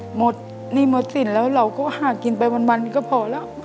หนี้หมดสินแล้วเราก็หากินไปวันก็พอแล้ว